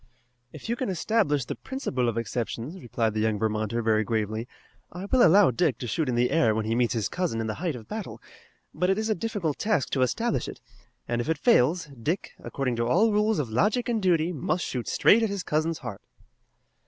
"If you can establish the principle of exceptions," replied the young Vermonter very gravely, "I will allow Dick to shoot in the air when he meets his cousin in the height of battle, but it is a difficult task to establish it, and if it fails Dick, according to all rules of logic and duty, must shoot straight at his cousin's heart."